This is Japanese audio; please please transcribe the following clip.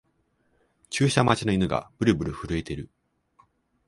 注射待ちの犬がブルブル震えてる